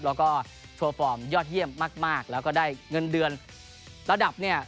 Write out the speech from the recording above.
แล้วก็ยอดเยี่ยมมากมากแล้วก็ได้เงินเดือนระดับเนี้ย